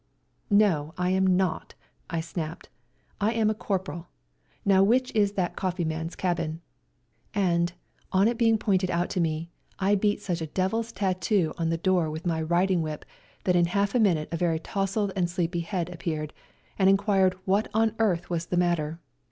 " No, I am not," I snapped, " I am a corporal ; now which is that coffee man's cabin ?" and, on it being pointed out to me, I beat such a devil's tattoo on the door WE GO TO CORFU 203 with my riding whip that in half a minute a very tousled and sleepy head appeared, and enquired what on earth was the matter.